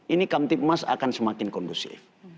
ini kamtip emas akan semakin kondusif